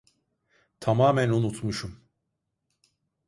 Tamamen unutmuşum.